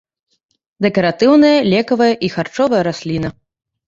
Дэкаратыўная, лекавая і харчовая расліна.